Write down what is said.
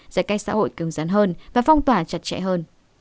giải cách xã hội cường rắn hơn và phong tỏa chặt chẽ hơn